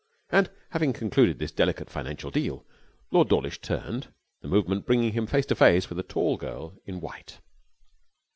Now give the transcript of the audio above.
And having concluded this delicate financial deal Lord Dawlish turned, the movement bringing him face to face with a tall girl in white.